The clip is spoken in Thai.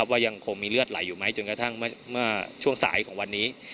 ว่ายังคงมีเลือดไหลอยู่ไหมจนกระทั่งเมื่อช่วงสายของวันนี้